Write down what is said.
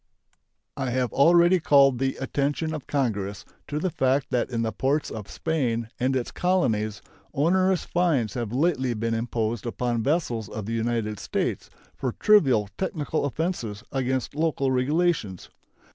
I have already called the attention of Congress to the fact that in the ports of Spain and its colonies onerous fines have lately been imposed upon vessels of the United States for trivial technical offenses against local regulations.